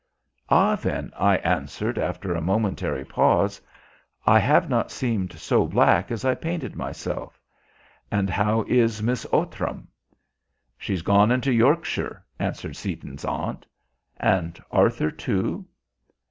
"Ah, then," I answered, after a momentary pause, "I have not seemed so black as I painted myself! And how is Miss Outram?" "She's gone into Yorkshire," answered Seaton's aunt. "And Arthur too?"